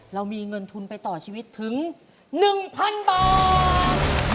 เรามีเงินทุนไปต่อชีวิตถึง๑๐๐๐บาท